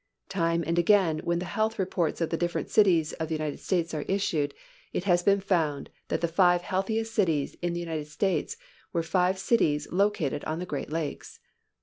Time and again when the health reports of the different cities of the United States are issued, it has been found that the five healthiest cities in the United States were five cities located on the great lakes.